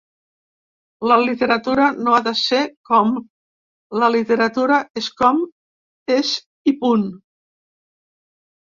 La literatura no “ha de ser com”, la literatura és com és i punt.